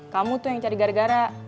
kamu tuh yang cari gara gara